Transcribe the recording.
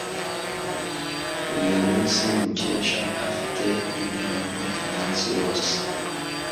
Uyu munsi, Mukesha afite inama umunsi wose.